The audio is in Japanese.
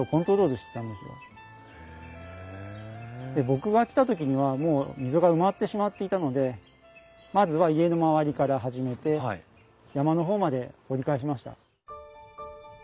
僕が来た時にはもう溝が埋まってしまっていたのでまずは家のまわりから始めて山の方まで掘り返しました。